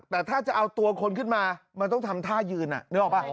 แต่ถ้าจะเอาตัวคนขึ้นมามันต้องทำท่ายืนนึกออกป่ะ